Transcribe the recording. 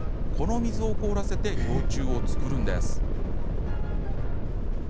この水を凍らせて氷柱を作るんです。